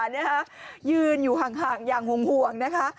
นี่ค่ะยืนอยู่ห่างอย่างห่วงนะคะ